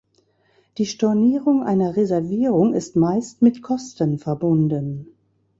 Die Stornierung einer Reservierung ist meist mit Kosten verbunden.